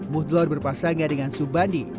modular berpasangnya dengan subandi